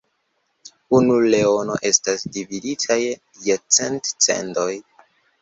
Unu leono estas dividita je cent "cendoj".